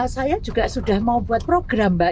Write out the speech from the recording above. saya juga sudah mau buat program mbak